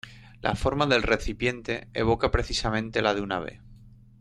La forma del recipiente evoca precisamente la de un ave.